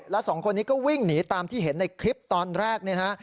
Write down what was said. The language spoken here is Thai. แล้วสองคนนี้ก็วิ่งหนีตามที่เห็นในคลิปตอนแรกเนี่ยนะฮะ